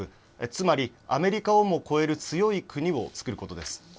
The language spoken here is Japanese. つまりアメリカをも超える強い国を造ることです。